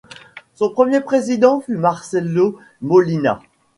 Son premier président fut Marcelo Molina.